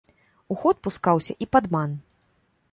У ход пускаўся і падман.